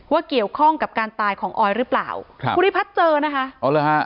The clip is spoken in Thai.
เกี่ยวข้องกับการตายของออยหรือเปล่าครับภูริพัฒน์เจอนะคะอ๋อเหรอฮะ